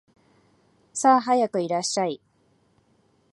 さあ、早くいらっしゃい